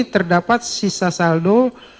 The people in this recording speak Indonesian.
terdapat sisa saldo